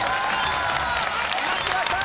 待ってました！